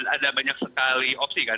ada banyak sekali opsi kan